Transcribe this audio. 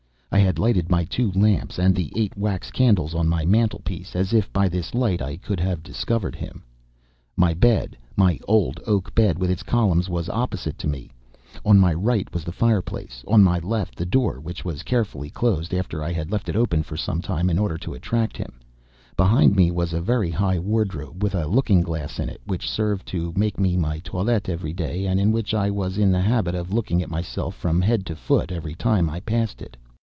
I had lighted my two lamps and the eight wax candles on my mantelpiece, as if by this light I could have discovered him. My bed, my old oak bed with its columns, was opposite to me; on my right was the fireplace; on my left the door which was carefully closed, after I had left it open for some time, in order to attract him; behind me was a very high wardrobe with a looking glass in it, which served me to make my toilet every day, and in which I was in the habit of looking at myself from head to foot every time I passed it.